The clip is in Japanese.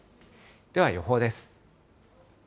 では予報です。